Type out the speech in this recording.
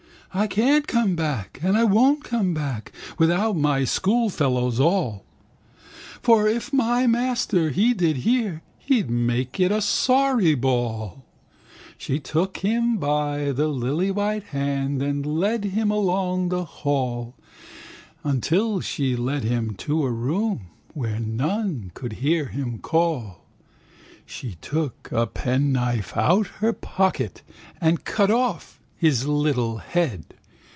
I can't come back and I won't come back Without my schoolfellows all. For if my master he did hear He'd make it a sorry ball." She took him by the lilywhite hand And led him along the hall Until she led him to a room Where none could hear him call. She took a penknife out of her pocket And cut off his little head.